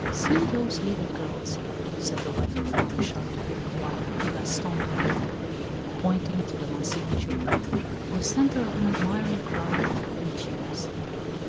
"See those little girls," said the wife of Maréchal de Villeroi to Gaston d'Orléans, pointing to the Mancini children, the centre of an admiring crowd of courtiers.